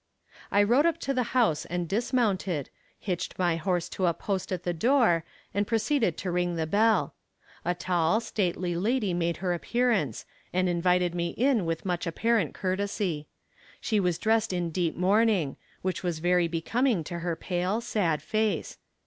I rode up to the house and dismounted, hitched my horse to a post at the door, and proceeded to ring the bell. A tall, stately lady made her appearance, and invited me in with much apparent courtesy. She was dressed in deep mourning, which was very becoming to her pale, sad face.